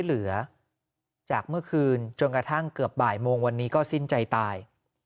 เหลือจากเมื่อคืนจนกระทั่งเกือบบ่ายโมงวันนี้ก็สิ้นใจตาย